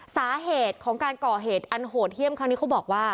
สาเหตุของการก่อเหตุอันโหดเยี่ยมครั้งนี้เขาบอกว่า